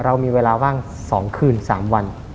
เรามีเวลาว่าง๒คืน๓วัน